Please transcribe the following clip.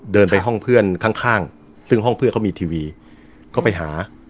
เดินไปห้องเพื่อนข้างซึ่งห้องเพื่อนเขามีทีวีก็ไปหา